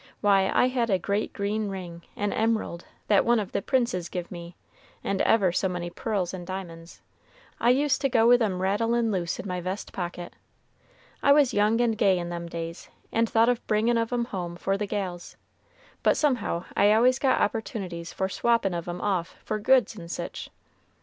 Why, I had a great green ring, an emerald, that one of the princes giv' me, and ever so many pearls and diamonds. I used to go with 'em rattlin' loose in my vest pocket. I was young and gay in them days, and thought of bringin' of 'em home for the gals, but somehow I always got opportunities for swappin' of 'em off for goods and sich.